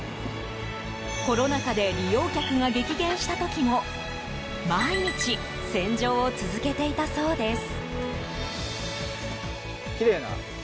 コロナ禍で利用客が激減した時も毎日洗浄を続けていたそうです。